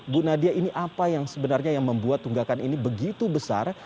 bu nadia ini apa yang sebenarnya yang membuat tunggakan ini begitu besar